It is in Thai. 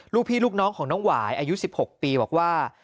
ลูกพี่ลูกน้องของน้องหวายอายุ๑๖ปีบอกว่า